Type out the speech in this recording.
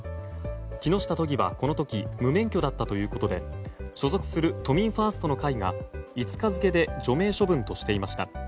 木下都議はこの時無免許だったということで所属する都民ファーストの会が５日付で除名処分としていました。